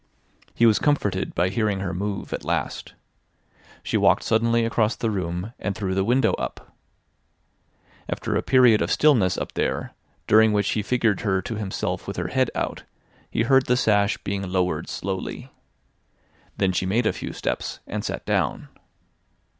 He was comforted by hearing her move at last. She walked suddenly across the room, and threw the window up. After a period of stillness up there, during which he figured her to himself with her head out, he heard the sash being lowered slowly. Then she made a few steps, and sat down.